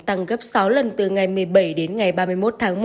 tăng gấp sáu lần từ ngày một mươi bảy đến ngày ba mươi một tháng một